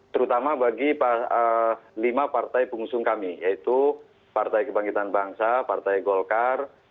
terutama bagi lima partai pengusung kami yaitu partai kebangkitan bangsa partai golkar